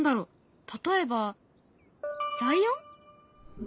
例えばライオン？